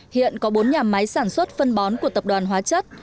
hiện có bốn nhà máy sản xuất phân bón của tập đoàn hóa chất